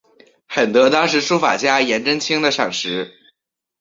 很得当时书法家颜真卿的赏识。